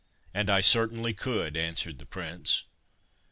"' And I certainly could,' answered the prince.